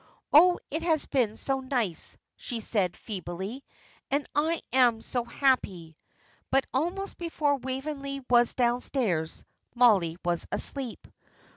"Oh, it has been so nice," she said, feebly, "and I am so happy." But, almost before Waveney was downstairs, Mollie was asleep.